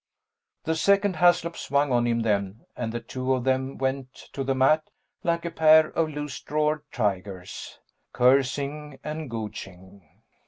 The second Haslop swung on him then and the two of them went to the mat like a pair of loose drawered tigers, cursing and gouging.